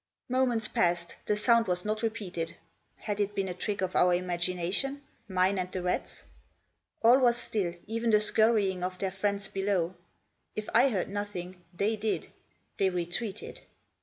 Moments passed; the sound was not repeated. Had it been a trick of our imagination ; mine and the rats' ? All was still, even the scurrying of their friends below. If I heard nothing, they did ; they retreated.